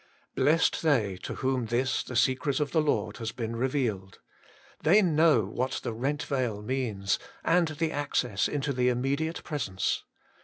Blessed they to whom this, the secret of the Lord, has been revealed. They know what the rent veil means, 78 HOLY IN CHKIST. and the access into the immediate Presence.